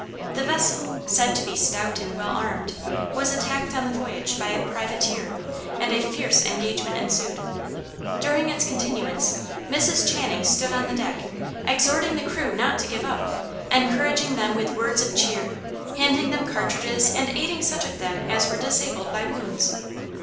The vessel, said to be stout and well armed, was attacked on the voyage by a privateer, and a fierce engagement ensued. During its continuance, Mrs. Channing stood on the deck, exhorting the crew not to give up, encouraging them with words of cheer, handing them cartridges and aiding such of them as were disabled by wounds.